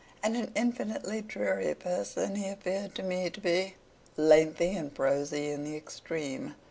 And an infinitely dreary person he appeared to me to be. Lengthy and prosy in the extreme.